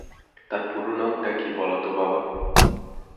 তাঁর পুরো নামটা কী বলো তো বাবা।